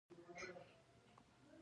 انګلیسي د استاذانو د زده کړې برخه ده